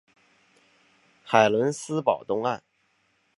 海伦斯堡东岸。